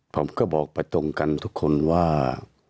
ผมก็บอกไปตรงกันทุกคนว่า